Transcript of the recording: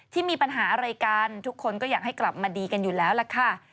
ที่มีปัญหาอะไรกันทุกคนก็อยากให้กลับมาดีกันอยู่แล้วล่ะค่ะ